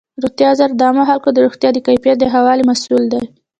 روغتیا وزارت د عامو خلکو د ژوند د کیفیت د ښه کولو مسؤل دی.